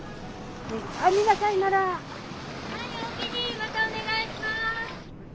またお願いします。